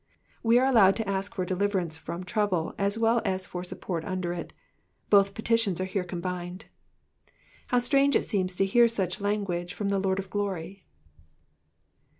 We are allowed to ask for deliverance from trouble as well as for support under it ; both petitions are here combined. How strange it seems to hear such language from the Lord of glory.